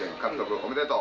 おめでとう。